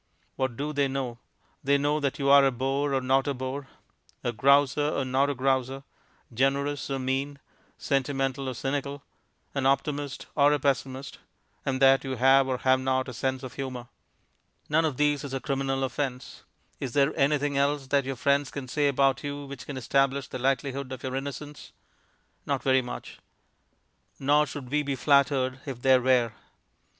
What do they know? They know that you are a bore or not a bore, a grouser or not a grouser, generous or mean, sentimental or cynical, an optimist or a pessimist, and that you have or have not a sense of humour. None of these is a criminal offence. Is there anything else that your friends can say about you which can establish the likelihood of your innocence? Not very much. Nor should we be flattered if there were.